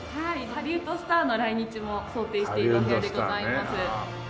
ハリウッドスターの来日も想定しているお部屋でございます。